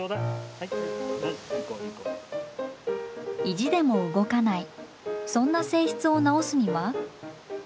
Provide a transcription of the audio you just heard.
意地でも動かないそんな性質を直すには？